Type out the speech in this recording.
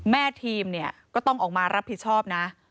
แม่ทีมเนี่ยก็ต้องออกมารับผิดชอบนะ